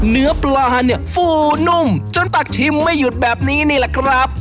เนื้อปลาเนี่ยฟูนุ่มจนตักชิมไม่หยุดแบบนี้นี่แหละครับ